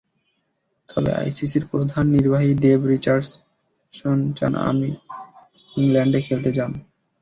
তবে আইসিসির প্রধান নির্বাহী ডেভ রিচার্ডসন চান আমির ইংল্যান্ডে খেলতে যান।